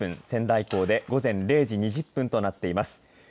仙台港で午前０時２０分となっています。